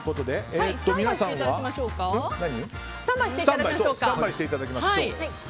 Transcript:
スタンバイしていただきましょう。